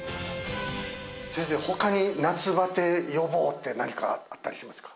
先生他に夏バテ予防って何かあったりしますか？